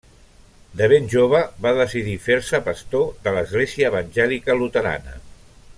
De ben jove va decidir fer-se pastor de l'església evangèlica luterana.